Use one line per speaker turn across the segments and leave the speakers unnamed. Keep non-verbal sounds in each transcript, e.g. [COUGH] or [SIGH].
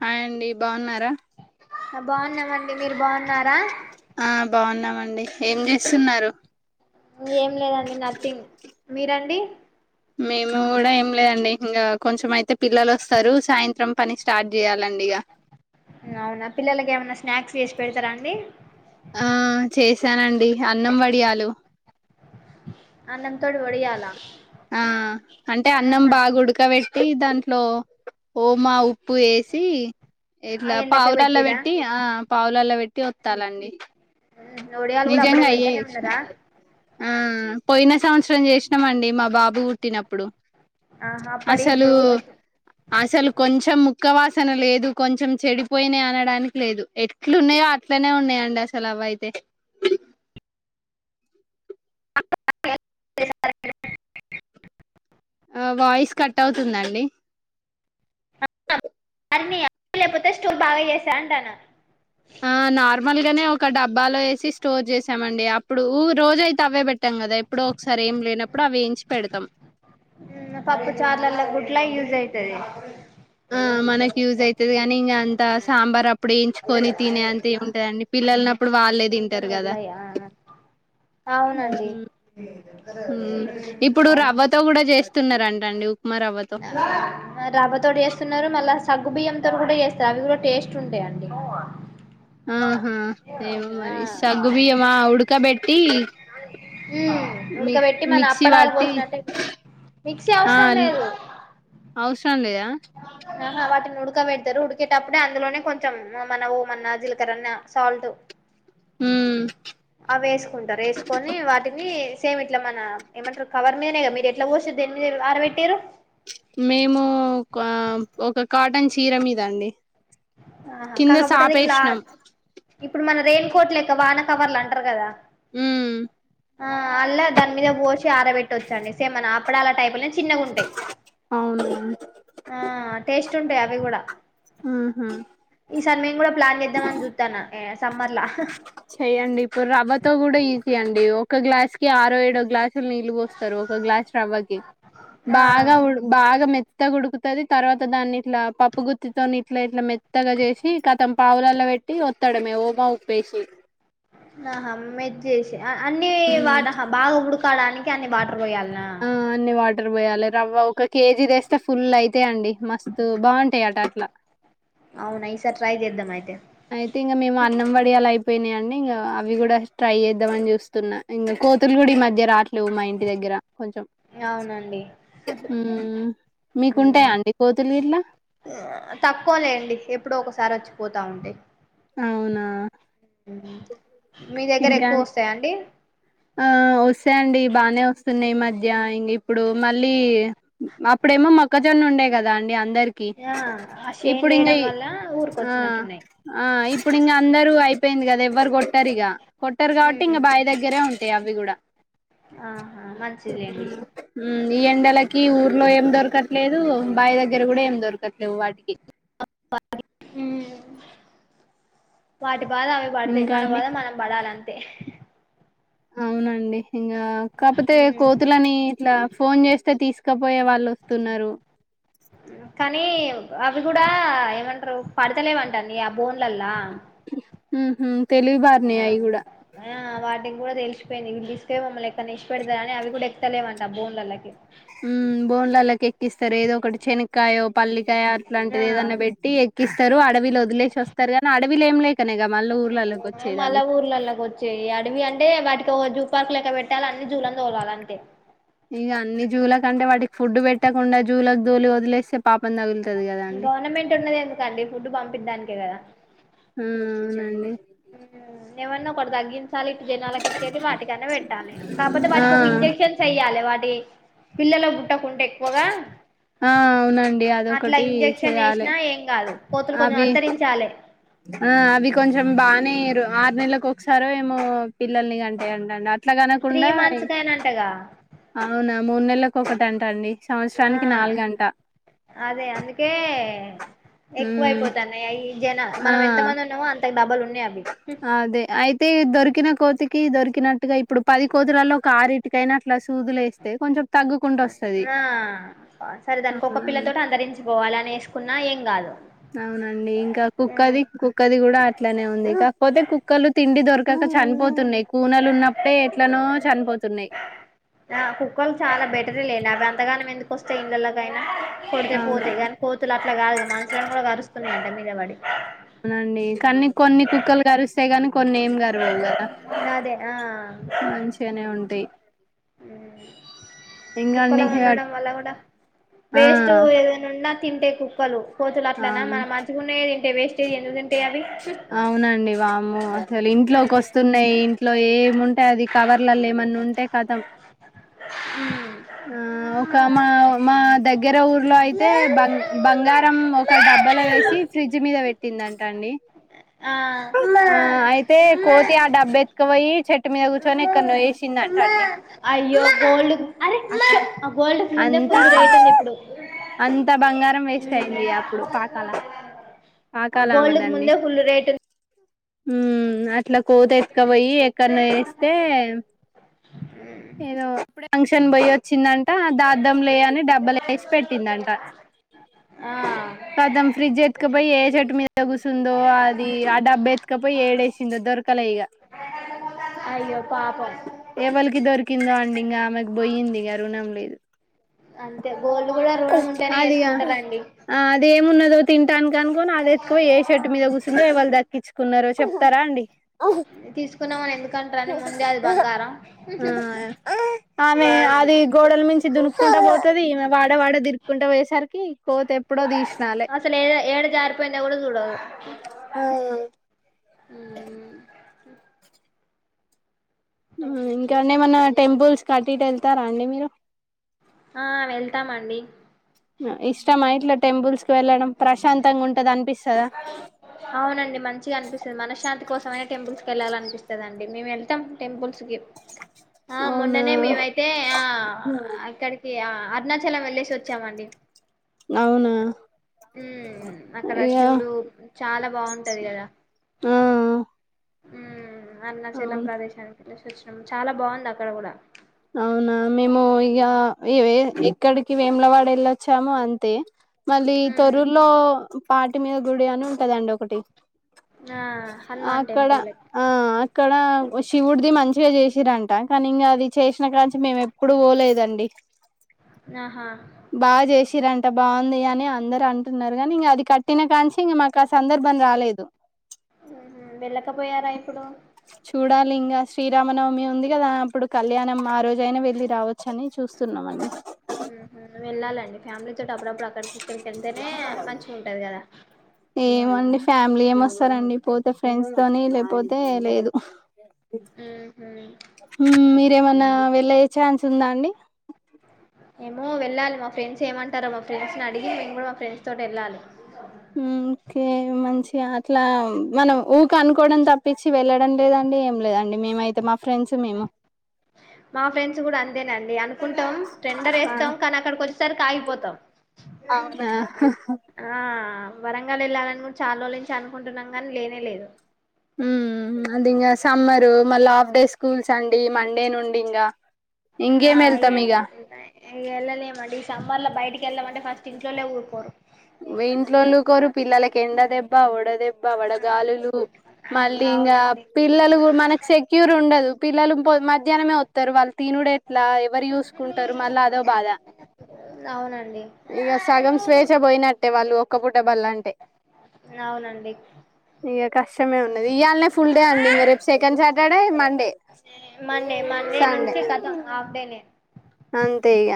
Hi అండి బావున్నారా?
బావున్నమండి, మీరు బావున్నారా?
అండి ఏం చేస్తున్నారు?
ఏం లేదండి నథింగ్ మీరండి
మేము గూడ ఏం లేదండి ఇంగ కొంచమయితే ప్ పిల్లలొస్తరు సాయంత్రం పని స్టార్ట్ చేయ్యాల
అవునా పిల్లలకి ఏమన్నా స్ స్నాక్స్ చేసి పెడతారా అండి?
ఆ చేశానండి అన్నం వడియాలు
అన్నం తోడి వడియాలా?
ఆ అంటే అన్నం
ఆహా,
బాగుడకబెట్ ట్టి దాంట్లో ఓమా ఉప్పు వేసి
ఆ
ఇట్లా
ఎండకే
పావురాల్లో
పెట్టిరా
పెట్టి ఆ పావు పలలో పెట్టి వత్తాలండి
ఒడియాలు కూడా అప్పుడే
నిజంగా అయ్యే
పెడతానే
చేసినా
ఉన్నారా
ఉమ్ పోయిన సంవత్సరం చేసినామండి మా బాబు పుట్టినప్పుడు
ఆహా అప్పడి
అసలు
ఇప్పుడు
అసలు కొంచెం ముక్కవా అసలు లేదు కొంచెం చెడిపోయినాయ్ అనడానికి లేదు ఎట్లున్నాయో అట్లనే ఉన్నాయండి అసలు అవయితే ఆ వాయిస్ కట్ అవుతుందండి
లేకపోతే స్టోర్ బాగా చేసా అంటాన్నా
ఆ నార్మల్ గానే ఒక డబ్బాలో ఏసి స్టోర్ చేసామండి అప్పుడు రోజైయితే అవే పెట్టాం కదా ఎప్పుడో ఒకసారి ఏం లేనప్పుడు అవేంచి పెడతాం
ఉమ్ పప్పు చార్లల్ల గుట్లా యూస్ అయితది
ఆ మనకి యూజ్ అయితది కానీ ఇంక అంత సాంబార్ అప్పుడు ఏంచుకొని తినే అంతేముంటదండి పిల్లనప్పు
సున్నం ఎల్లయ అవునండి
ఉమ్ ఇప్పుడు రవ్వతో కూడా చేస్తున్నారంట అండి
రవ్వ తోటీ చేస్తున్నారు మళ్ళా సగ్గు బియ్యంంతో కూడా చేస్తారు అవి కూడా టేస్ట్ ఉంటాయండి ఉ
ఆహా ఏమో మరి సగ్గుబియ్యమా ఉడకబెట్టి మి
ఉడకబెట్టి మనం
మిక్సీ
అప్పడాలి
పట్టి
పోసినట్టటు మిక్సీ
ఆ
అవసరం లేదు
అవసరం లేద
ఆహా వాటిని ఉడకబెడతారు ఉడికేటప్పుడే అందులోనే కొంచెం మన ఓమన్నా జీలకరణ సాల్ట్
మ్మ్
అ వేసుకుంటారు వేసుకొని వాటిని సేమ్ ఇట్లా మన ఏమంటారు కవర్ మీదనే క మీరు ఎట్లా కోస్తారు దాని మీద ఆర పెట్టిరు
మేము ఒక ఒక కాటన్ చీర మీద అండి
ఆహా
కింద
కాకపోతే అది క్లా
సాపేసినాం
ఇప్పుడు మన రైల్ కోట్లక్క వాన కవర్లు అంటారు కదా
మ్మ్
ఆ అల్ల దాని మీద పోసి ఆరబెట్టవచ్చండి సేమ్మన అప్పుడలా టైపు ను చిన్నంగుటాయి
అవును
ఉంటా అవి కూడా
ఆహ
ఈసారి మేము కూడా ప్లాన్ లేద్దాం జుతాన్నం సమ్మర్లా
చెయ్యండి ఒక్క గ్లాస్కి ఆరో ఏడో గ్లాస్ నీళ్ళ పోస్తారు ఒక గ్లాస్ రవ్వకి
ఆ
బాగా ఉడక బాగా మత్ మెత్తకుడుకుతుంది తర్వాత దాన్ని ఇట్లా పప్పుగుత్తితో ఇట్లా ఇట్లా మెత్తగా చేసి కతం పావులాల్లో పెట్టి వస్తాడమే ఓమా ఉప్పేసి
నాహమ్మ్ ద్ చేసే అ అన్ని
హ్మ్
వాటహ బా వుడుకు తడానికి అన్ని బాట
ఆ అన్ని వాటర్ పోయాలి రవ్వ ఒక కేజి దెశ్ స్తే ఫుల్ అయితే అండి మస్త్ తో బాగుంటాయి అట అట్లా
అవున ఈసార్ ట్రై చేద్దాం మయితే
అయితే ఇంకా మేము అన్నం పడియలు అయిపో పోయినాయండి ఇంకా అవి కూడా ట్రై చేద్దామని చూస్తున్నా ఇంకా కోతులు కూడా ఈ మధ్య రావట్లేవు మా ఇంటి దగ్గర. కొంచెం
అవునండి
హ్మ్ మీకుంటాయా అండి కోతులు గిట్లా
తక్కువ లేండి ఎప్పుడో ఒకసారి వచ్చి పోతా ఉంటాయ్
అవునా
మీ దగ్గర
ఇంకా
ఎక్కువ వస్తాయా అండి
ఆ వస్తాయండి బానే వస్తున్నాయి ఈ మధ్య ఇంక ఇప్పుడు మళ్ళీ అప్పుడేమో మొక్కజొన్న ఉండే కదా ఏ అందరికి
ఆ ఆ
ఇప్పుడు
చేన్లు
ఇంక
వేయడం వల్ల ఊరికి
ఆ
వచ్చినట్టున్నాయి
ఆ ఇప్పుడు ఇంగా అందరు అయిపోయింది కదా ఎవ్వరు కొట్టారు ఇగా కొట్టారు కాబట్టి ఇంగా బాయ్ దగ్గరే ఉంటాయి గవి కూడా
ఆహా మంచిదిలేండి
ఈ ఎండలకి ఊర్లో ఏం దొరకట్లేదు బావి దగ్గర కూడా ఏం దొరకట్లే లెవ్ వాటికి
ఉమ్ వాటి బాధ అవి పడతాయి
ఇంకా
మన
అండి
బాధ మనం పడాలి తే
అవునండి ఇంకా కాకపోతే కోతులని ఇట్లా ఫోన్ చేస్తే తే తీసుకపోయే వాళ్ళు వస్తున్నారు
కానీ అవి కూడా ఏమంటారు పడతలేవ్ అంటండి ఆ బోన్లల్లా
ఉహుమ్
ఆ ఆ వాటి కూడా తెలిస్ లిసిపోయింది వీళ్ళు తిసుకపోయి మమ్మల్ని ఎక్కనో ఇష్పెడుతారని అవి కూడా ఎక్కుతలేవంట బోన్లల్లకి
ఊమ్మ్ బోన్లల్లకి ఎక్కిస్తారు ఏదో ఒకటి చనిగ్ కాయో పల్లికాయో
ఆ
అట్లాంటిది ఏదన్నా పెట్టి ఎక్కిస్తారు అడవిలో వదిలేసి వస్తారు కానీ అడవిలో ఏం లేకనే కదా మళ్ళీ ఊర్లలోకి వచ్చేది
మళ్ళా
అవి
సో జూ పార్క్ లెక్క పెట్టాలి అన్ని జూలనీ తోలాలే అంతే
ఇంక అన్ని జూలకి అంటే వాటికి ఫుడ్ పెట్టకుండా జూలకి తోలి వదిలేస్తే పాపం తగులుతుంది.
గవర్నమెంట్ ఉన్నది ఎందుకండి ఫుడ్ పంపిద్ధానికే కదా
ఆ అవునండి
ఏవన్నా ఒకటి తగ్గింది తాళి జనాలకు ఇచ్చేటివి వాటికన్నా పెట్టాలి కాకపోతే
ఆ
వాటికి ఒక ఇంజెక్షన్స్ వేయ్యాలి వాటి పిల్లలు పుట్టకుంట ఎక్కువగా
ఆ అవునండి
అట్లా
అదొకటి
ఇంజక్షన్
చేయాలి
వేసినా ఏం కాదు కోతులు కొంచెం
అవి
అంతరించాలి
ఆ అవి కొంచెం బాగానేరు ఆరు నెలలకు ఒకసారో ఏమో పిల్లల్ని కంటాయంట అండి
త్రీ మంత్స్ కే నంటగా
అవునా మూడు నెలలకు ఒకటి అంటాండి
ఆ అదే అందుకే
ఉమ్
ఎక్కువైపోతానయ్యాయి జన
ఆ
మనం ఎంత మంది ఉన్నామో అంతకు డబల్ ఉన్నాయి అవి
అదే అయితే దొరకిన కోతికి దొరికినట్టుగా ఇప్పుడు పది కోతులలో ఒక ఆరిటికయినా అట్లా సూదులేస్తే కొంచెం తగ్గుకుంటస్తుంది
ఆ సరే దానికి ఒక
అవునండి
పిల్లతోటి అంతరించుకోవాలి అని వేసుకున్నా ఏం కాదు
అవునండి ఇంకా కుక్కది కుక్కది కూడా అట్లానే ది కాకపోతే కుక్కలు తిండి దొరకక చనిపోతున్నాయి కూనలు ఉన్నప్పుడే ఎట్లనో చనిపోతున్నాయి
ఆ కుక్కలు చాలా బెటర లే అవి అంతగానం ఎందుకు వస్తాయి ఇండ్లలోకైన కొడితే
అవును
పోతే కానీ కోతులు అట్లా కాదుగా మనసులని కూడా కరుస్తున్నాయి అంట మీ మీదబడి
అవునండి కానీ కొన్ని కుక్కలు కరుస్తాయి కానీ కొన్ని ఏమి కరవవు
అదే ఆ
మంచిగానే [INAUDIBLE] ఇంకా
కుక్కలో
అండి
ఉండడం వల్ల కూడా
ఆ
వేస్ట్ ఏదైనా ఉన్నా తింటే కుక్కలు కోతులు అట్లనే
అవును
మన మంచిగున్నయే తింటాయి వేస్ట్ ఎందుకు తింటాయి అవి
అవునండి వామ్మో అసలు ఇంట్లోకి వస్తున్నాయి ఇంట్లో ఏమి ఉంటె అది కవర్ లల్ల ఏమన్నా ఉంటే కతం ఆ ఒక మా మా ద గర ఉ లో అయితే బ బంగారం ఒక డబ్బలో వేసి ఫ్రిడ్జ్ మీద పెట్టిందింట అండి ఆ అయితే కోతి ఆ డబ్బు ఎత్తుకపోయి చెట్టు మీద కూర్చొని ఎక్కడ్నో వేసిందంట అండి
అయ్యో గోల్డ్ అరే ఉష్
అక
అదే ఆ గోల్డ్ క ముందే
అంత
ఫుల్ రేట్ ఉంది ఇప్పుడు
అంత బంగారం వేస్ట్ అయింది అప్పుడు పాకాల.
ఆ
పాకాల
గోల్డ్కుకు ముందే ఫుల్ రేటు ఉ
ఉం ఇట్లా కోత ఎతక పోయి ఎక్కనో వేస్తే ఏదో అప్పుడ ఫంక్షన్ బోయే వచ్చిందంట దద్దం లే అని డబ్బలు వేసి పెట్టిందంట
ఆ
కతం ఫ్రిడ్జ్ ఎత్తుక చేట్టు మీద కుసుందో అది ఆ డబ్బు ఎత్కపో ఏడేసిందొ దొరకాల ఈగ
అయ్యో పాపం
కిందా అండి ఇంకా ఆమెకు పోయింది ఇంక రుణం లేదు
అంతే గోల్డ్ కూడా రుణం ఉంటేనే
అదిగా
వేసుకుంటారండి
ఆ అదేమున్నదో తింటాను కంకోని నాది ఎత్తుకో ఏ షర్ట్ మీద కూర్చందో వాళ్ళు దక్కించుకున్నారో చెప్తారా అండి
తీసుకున్నామని ఎందుకంటారని ముందే అది బంగారం
ఆ ఆమె
మ్మ్
అది గోడల మించి దుకుకుంట పోతది ఊరువాడ తిరుకుంటా పోయేసరికి కోత ఎప్పుడో తీసినాలే
అసలు ఏ ఏడ జారిపోయినా కూడా చూడదు
ఆ
ఉ
మ్ ఇంకా అండి ఏమన్నా టెంపుల్స్ కి అటు ఇటు వెళ్తారా అండి మీరు
ఆ వెళ్తామండి
అ ఇష్టంమా ఇట్లా టెంపుల్స్ కి వెళ్ళడం ప్రశాంతంగా ఉంటది అనిపిస్తదా
అవునండి మంచిగా అనిపిస్తది మనశ్శాంతి కోసమైన టెంపుల్స్ కి వెళ్ళాలి అనిపిస్తదండి మేము వెళ్తాం టెంపుల్స్ కి ఆ
అవునా
మొన్ననే మేము అయితే ఆ అక్కడికి ఆ అరుణాచలం వెళ్లేసి వచ్చామండి
అవునా
ఉమ్ అక్కడ
ఇగ
శివుడు చాలా బాగుంటది కదా
ఆ
మ్మ్ అరుణాచలం
అవును
ప్రదేశానికి ఎల్లేసి వచ్చినం చాలా బాగుంది అక్కడ కూడా
అవునా మేము ఇగ ఇక్కడికి వేములవాడ వెళ్ళొచ్చాము అంతే మళ్లీ
మ్మ్
తొర్రూరు లో పాటి మీద గుడి అని ఉంటదండి ఒకటి
ఆ హనుమాన్
అక్కడ
టెంపుల్ లెక్క
ఆ అక్కడ ఓ శివుడిది మంచిగా చేసిరం ట కాని ఇంగ అది చేసిన కాంచి మేము ఎప్పుడు పోలేదండి
ఆహా
బాగా చేసిరంట బావుంది అని అందరు అంటున్నారు కానీ ఇంక అది క ట్టిన కాంచి ఇంగ మాకు ఆ సందర్భం రాలేదు
ఉహు వెళ్ళకపోయారా ఇప్పుడు
చూడాలి ఇంగా శ్రీరామనవమి ఉందిగదా అప్పుడు కళ్యాణం ఆ రోజయినా వెళ్లి రావ చ్చుని చూస్తున్నామండి
ఉహు వెళ్ళాలండి ఫ్యామిలీ తోటి అప్పుడప్పుడు అక్కడికి ఇక్కడికి వెళ్తేనే మంచిగా ఉంటది కదా
ఏమోండి ఫ్యామిలీ ఏమొస్తారండి పోతే ఫ్రెండ్స్ తోని లేకపోతే లేదు
మ్
మ్ మీరేమన్నా వెళ్లే ఛాన్స్ ఉందా అండి
ఏమో వెళ్లాలి మా ఫ్రెండ్స్ ఏమంటారో మా ఫ్రెండ్స్ ని అడిగి మేము కూడా మా ఫ్రెండ్స్ తోటి వెళ్లాలి
మ్ ఓకే మంచిగా అట్లా మనం ఊక అనుకోవడం తప్పించి వెళ్ళడం లేదండి ఏం లేదండి మేమైతే మా ఫ్రెండ్స్ మేము
మా ఫ్రెండ్స్ కూడా అంతేనండి అను కుంటాం టెండర్ ఏస్తాం కానీ అక్కడికి వచ్చేసరి కి ఆగిపోతాం
అవునా
ఆ వరంగల్ వెళ్ళాలని కూడా చాలా రోజుల నుంచి అనుకుంటున్నాం కానీ లేనేలేదు
అది ఇంకా సమ్మరు మళ్ళీ హాఫ్ డే స్కూల్స్ అండి మండే నుండి ఇంకా
ఆ ఇగ ఇగ ఎల్లలెమండి సమ్మర్లో బయటికి ఎల్లమంటే ఫస్ట్ ఇంట్లోల్లె ఊరుకోరు
ఇంట్లోల్లురుకోరు పిల్లలకి ఎండ దెబ్బ వడదెబ్బ వడగాలులు మళ్ళీ ఇంకా
అవునండి
పిల్లలు మనకి సెక్యూర్ ఉండదు పిల్లులు పోయ్ మ మధ్యాహ్నమే వస్తారు వాళ్ళు తినుడు ఎట్లా ఎవరు చూసుకుంటారు మళ్ళ అదో బాధ
అవునండి
ఇక సగం స్వేచ్ యినట్టే వాళ్ళు ఒక్క పూట బళ్లంటే
అవునండి
ఇక కష్టమే ఉన్నది ఇయాళనే ఫుల్ డే అండి ఇంక రేపు సెకండ్ సార్ ఎడ మండే
మండే మండే
సండే
నుంచి కతం హాఫ్ డే నేను
అంతే ఇగ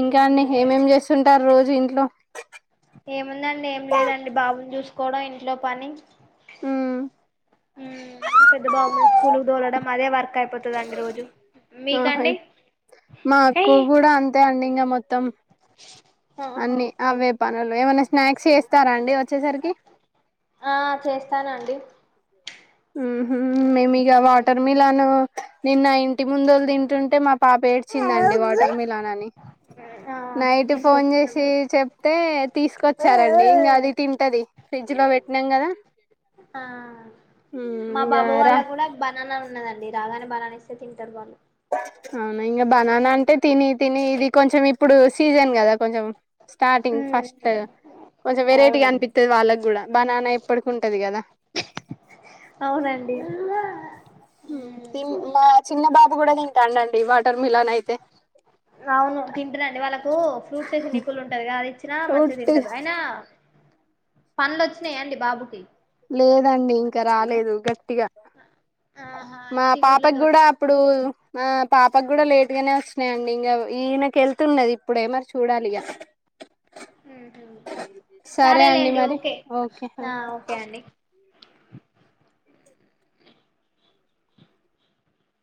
ఇంకా అండి ఏమేం చేస్తుంటారు రోజు ఇంట్లో
ఏం ముందండి ఏం లేదండి బాబును చూసు కోవడం ఇంట్లో పని
ఉమ్
పెద్ద బాబును స్కూల్కి దోలడం అదే వర్క్ అయిపోతుందిండి రోజు
ఆహా
మీకాండి
ఇప్
ఏ
తం అన్ని అవే పనులు ఏమైనా స్నాక్స్ చేస్తారా అండి వచ్చేసరికి
ఆ చేస్తానండి
హు హ్మ్ మేము ఇగ వాటర్ మిలాన్ నిన్న ఇంటి ముందుళ్ళ తింటుంటే మా పాప ఏడ్చిందండి వాటర్ మిలాన్ అని
ఆ
నైట్ ఫోన్
తీసుకొచ్చారు
చేసి
మరి
చెప్తే తీసుకొచ్చారండి ఇంకా అది తింటది ఫ్రిడ్జ్ లో పెట్టినాం కదా
ఆ
ఉమ్
మా
ఇక
బాబు వాళ్ళ
రా
కూడా బనానా ఉన్నదండి రాగానే బలానేస్తేటారు వాళ్ళు
అవునా ఇం బననా అంటే తిన తిన ఇది కొంచెం ఇప్పుడు సీజన్ కదా కొంచెం స్టార్టింగ్ ఫస్ట్ కొంచెం వెరైటీగా
అవునండి
అనిపిస్తుది వాళ్ళకి కూడా బనానా ఎప్పటికి ఉంటది కదా
అవునండి
మా చిన్న బాబు కూడా తింటాండండి వాట
అవును తింటనండి వాళ్ళకు ఫ్రూట్స్ వేసిన నిప్పులు ఉంటది అది వచ్చినా
ఫ్రూట్
మంచిగాదింటదు అయినా పనులు వచ్చినాయండి బాబుకి
లేదండి ఇంకా రాలేదు గట్ టిగా మా
చిగుర్ల
పాపకి
తోటి
కూడా అప్పుడు మా పాపకు కూడా లేటు గానే వచ్చినన్నాయి అండి ఇంకా ఈయనకు వెళ్తున్నది ఇప్పుడే మరి చూడాలి ఇగ సరే అండి
సరేలేండి
మరి
ఓకే
ఓకే
ఆ ఓకే అండి